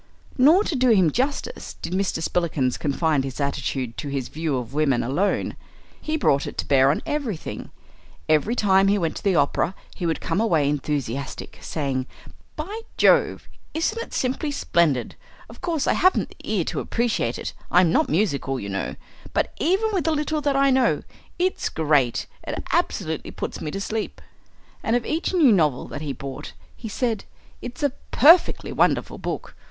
Nor, to do him justice, did Mr. Spillikins confine his attitude to his view of women alone. He brought it to bear on everything. Every time he went to the opera he would come away enthusiastic, saying, "By Jove, isn't it simply splendid! Of course I haven't the ear to appreciate it I'm not musical, you know but even with the little that I know, it's great; it absolutely puts me to sleep." And of each new novel that he bought he said, "It's a perfectly wonderful book!